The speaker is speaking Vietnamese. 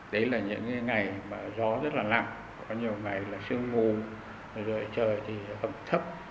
đấy là những ngày mà gió rất là nặng có nhiều ngày là sương mù rồi trời thì hầm thấp